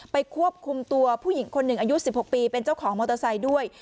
ควบคุมตัวผู้หญิงคนหนึ่งอายุ๑๖ปีเป็นเจ้าของมอเตอร์ไซค์ด้วย